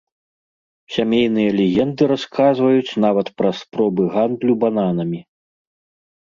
Сямейныя легенды расказваюць нават пра спробы гандлю бананамі.